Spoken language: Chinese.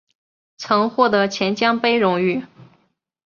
曾获得钱江杯荣誉。